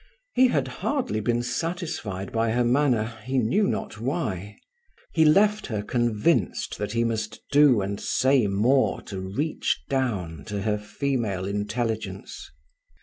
He had hardly been satisfied by her manner, he knew not why. He left her, convinced that he must do and say more to reach down to her female intelligence.